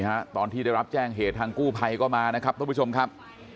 ฮะตอนที่ได้รับแจ้งเหตุทางกู้ภัยก็มานะครับทุกผู้ชมครับ